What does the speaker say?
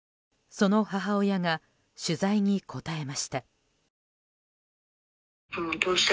その母親が取材に答えました。